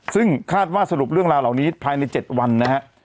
ซึ่งคาดว่าสรุปเรื่องราวเหล่านี้ภายใน๗วันนะฮะ